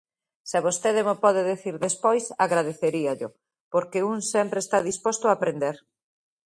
Se vostede mo pode dicir despois, agradeceríallo, porque un sempre está disposto a aprender.